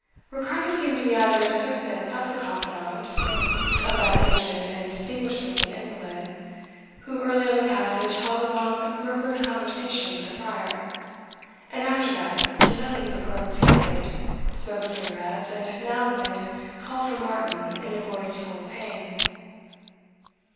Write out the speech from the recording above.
Ricardo seemed to be either a servant or the confidant of that aged and distinguished looking invalid, who early on the passage held a long murmured conversation with the friar, and after that did nothing but groan feebly, smoke cigarettes, and now and then call for Martin in a voice full of pain.